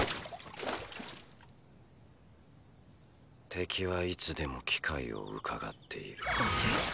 敵はいつでも機会をうかがっている。